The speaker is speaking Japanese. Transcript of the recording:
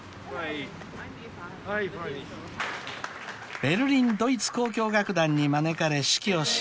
［ベルリン・ドイツ交響楽団に招かれ指揮をします］